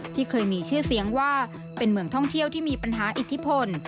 ที่เคยมีชื่อเสียงว่าเป็นเมืองท่องเที่ยวที่มีปัญหาอิทธิพล